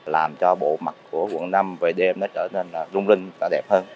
làm cho bộ mặt của quận năm về đêm nó trở nên rung rinh và đẹp hơn